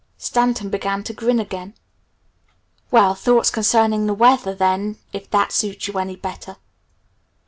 Stanton began to grin again. "Well, thoughts concerning the weather, then if that suits you any better."